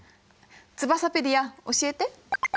ツバサペディア教えて。